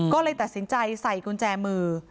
ก็เลยตัดสินใจใส่กุญแจมือ